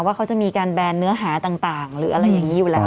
ว่าเขาจะมีการแบนเนื้อหาต่างหรืออะไรอย่างนี้อยู่แล้ว